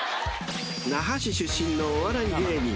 ［那覇市出身のお笑い芸人］